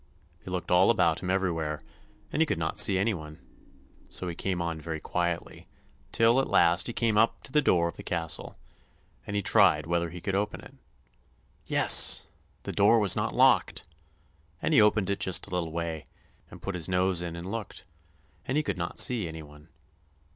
He looked all about him everywhere, and he could not see any one. So he came on very quietly, till at last he came up to the door of the castle, and he tried whether he could open it. Yes! the door was not locked, and he opened it just a little way, and put his nose in and looked, and he could not see any one.